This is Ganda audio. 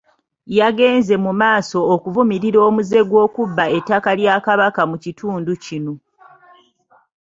Yagenze mumaaso okuvumirira omuze gw'okubba ettaka lya Kabaka mu kitundu kino.